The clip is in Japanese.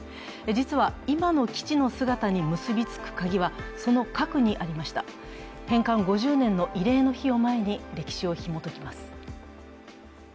実は、今の基地の姿に結びつく鍵は、その核にありました返還５０年の慰霊の日を前に歴史をひもときます。